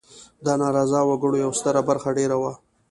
د ناراضه وګړو یوه ستره برخه دېره وه.